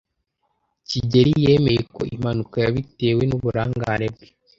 kigeli yemeye ko impanuka yabitewe n'uburangare bwe.